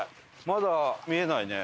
まだ見えないね。